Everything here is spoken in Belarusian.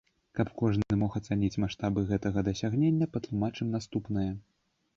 Каб кожны мог ацаніць маштабы гэтага дасягнення, патлумачым наступнае.